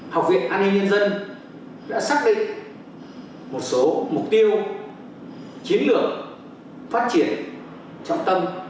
học viện an ninh nhân dân đã xác định một số mục tiêu chiến lược phát triển trọng tâm